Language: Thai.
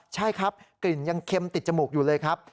ใช่ครับกลิ่นยังเค็มติดจมูกอยู่เลยครับ